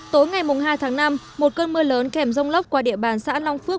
tối ngày hai tháng năm một cơn mưa lớn kèm rông lốc qua địa bàn xã long phước